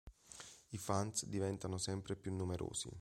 I fans diventano sempre più numerosi.